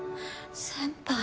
先輩。